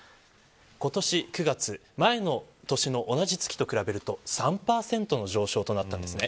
今年９月前の年の同じ月と比べると３％の上昇となりました。